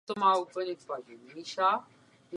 Na to nastupuje jako hostující kytarista do New Order.